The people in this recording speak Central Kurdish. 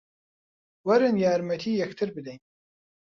وەرن یارمەتی یەکتر بدەین